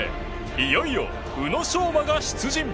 いよいよ宇野昌磨が出陣。